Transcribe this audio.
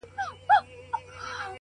• چي مي سترګي د یار و وینم پیالو کي ,